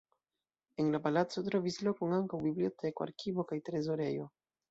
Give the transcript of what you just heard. En la palaco trovis lokon ankaŭ biblioteko, arkivo kaj trezorejo.